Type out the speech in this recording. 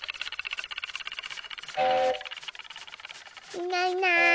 いないいない。